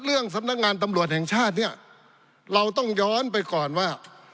เรื่องสำนะงานตำลเป็นชาติเนี้ยเราต้องย้อนไปก่อนว่า